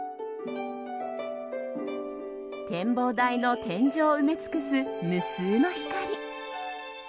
展望台の天井を埋め尽くす無数の光。